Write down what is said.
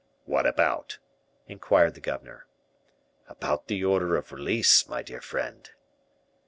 "What about?" inquired the governor. "About the order of release, my dear friend."